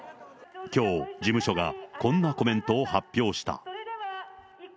きょう事務所が、こんなコメントを発表した。